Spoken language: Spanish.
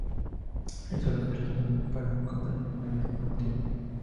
El servicio solo estará disponible para compañías de medios informativos.